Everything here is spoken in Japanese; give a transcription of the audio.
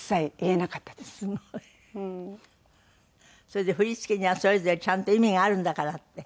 それで振り付けにはそれぞれちゃんと意味があるんだからって。